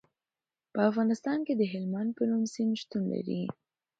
په افغانستان کې د هلمند په نوم سیند شتون لري.